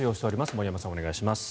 森山さん、お願いします。